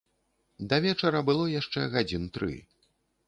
Да вечара было яшчэ гадзін тры.